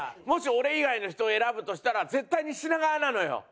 もし俺以外の人を選ぶとしたら絶対に品川なのよ。